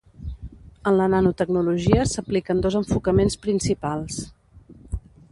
En la nanotecnologia s'apliquen dos enfocaments principals.